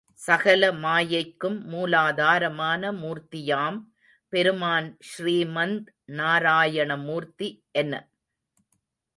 சகல மாயைக்கும் மூலாதாரமான மூர்த்தியாம் பெருமான் ஸ்ரீமந் நாராயணமூர்த்தி என்ன?